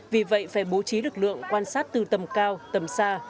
vì vậy phải bố trí lực lượng quan sát từ tầm cao tầm xa